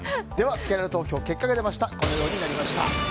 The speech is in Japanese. せきらら投票結果はこのようになりました。